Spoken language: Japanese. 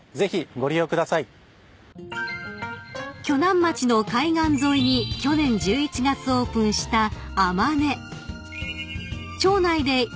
［鋸南町の海岸沿いに去年１１月オープンしたａｍａｎｅ］